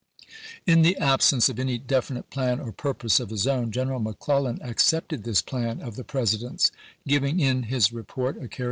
In the absence of any definite plan or purpose of his own, General McClellan accepted this plan of the President's, giving in his report a charac "w.